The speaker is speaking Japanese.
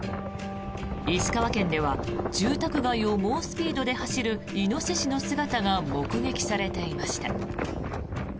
石川県では住宅街を猛スピードで走るイノシシの姿が目撃されていました。